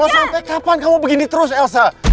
sampai kapan kamu begini terus elsa